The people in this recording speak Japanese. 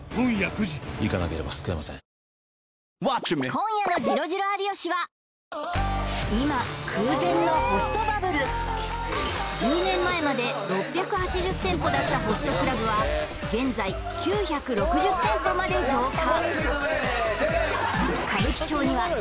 今夜の「ジロジロ有吉」は今１０年前まで６８０店舗だったホストクラブは現在９６０店舗まで増加